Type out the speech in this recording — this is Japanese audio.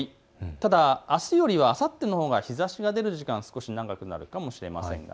ただ、あすよりはあさってのほうが日ざしが出る時間、少し長くなるかもしれません。